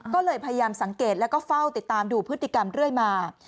ก็เลยพยายามสังเกตแล้วก็เฝ้าติดตามดูพฤติกรรมเรื่อยมา